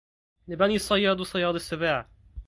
لبني الصياد صياد السباع